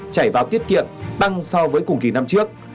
chảy vào tiết kiệm tăng so với cùng kỳ năm trước